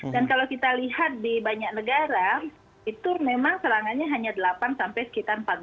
dan kalau kita lihat di banyak negara itu memang serangannya hanya delapan sampai sekitar empat belas minggu ya